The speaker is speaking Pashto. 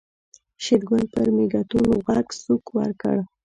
شېرګل پر مېږتون غوږ سوک ورکړ.